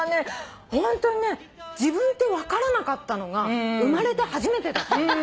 ホントにね自分って分からなかったのが生まれて初めてだったの。